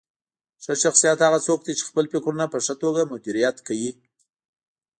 ښه شخصیت هغه څوک دی چې خپل فکرونه په ښه توګه مدیریت کوي.